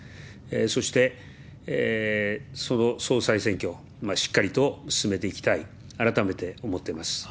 そして総裁選挙、しっかりと進めていきたい、改めて思っています。